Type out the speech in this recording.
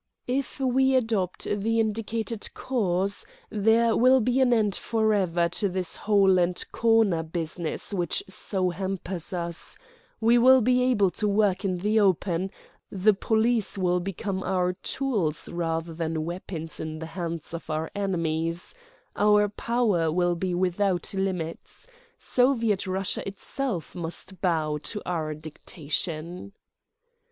"If we adopt the indicated course, there will be an end forever to this hole and corner business which so hampers us, we will be able to work in the open, the police will become our tools rather than weapons in the hands of our enemies; our power will be without limits, Soviet Russia itself must bow to our dictation."